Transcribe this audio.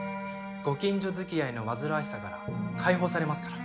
ご近所づきあいの煩わしさから解放されますから。